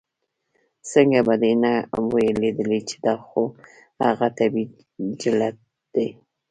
ځکه به دې نۀ وي ليدلے چې دا خو د هغه طبعي جبلت دے